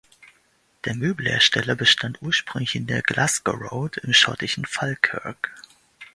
Der Möbelhersteller bestand ursprünglich in der "Glasgow Road" im schottischen Falkirk.